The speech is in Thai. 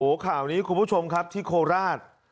โอ้โหข่าวนี้คุณผู้ชมครับที่โคราช